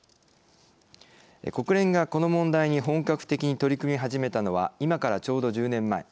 国連がこの問題に本格的に取り組み始めたのは今からちょうど１０年前。